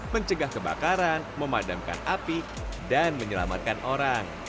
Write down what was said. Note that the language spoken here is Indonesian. mencegah kebakaran memadamkan api dan menyelamatkan orang